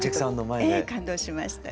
ええ感動しました